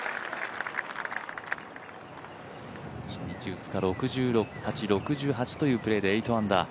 初日、２日、６８、６８というプレーで８アンダー。